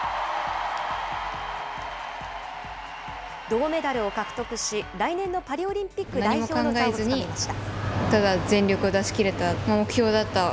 銅メダルを獲得し、来年のパリオリンピック代表の座をつかみました。